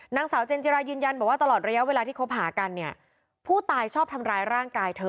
นางสาวเจนจิรายืนยันบอกว่าตลอดระยะเวลาที่คบหากันเนี่ยผู้ตายชอบทำร้ายร่างกายเธอ